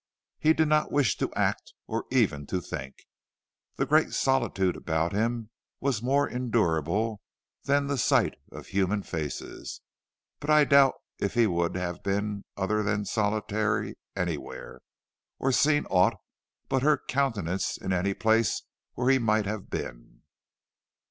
He did not wish to act or even to think. The great solitude about him was more endurable than the sight of human faces, but I doubt if he would have been other than solitary anywhere, or seen aught but her countenance in any place where he might have been.